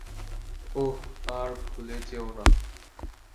ওহ আর ভুলে যেও না!